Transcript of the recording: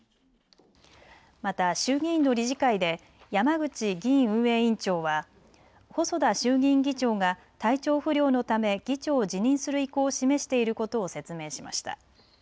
また衆議院の理事会で山口議院運営委員長は細田衆議院議長が体調不良のため議長を辞任する意向を示していることを説明しました。